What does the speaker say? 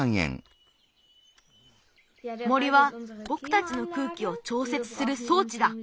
森はぼくたちの空気をちょうせつするそうちだ。